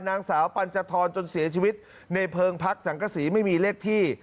นางสาวปัญจทรจนเสียชีวิตในเพลิงพักสังกษีไม่มีเลขที่